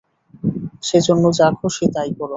সে জন্য, যা খুশি তাই কর।